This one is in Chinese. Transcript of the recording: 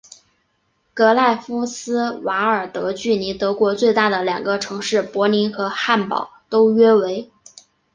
格赖夫斯瓦尔德距离德国最大的两个城市柏林和汉堡都约为。